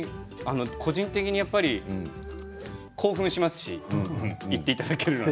個人的に興奮しますし言っていただけるので。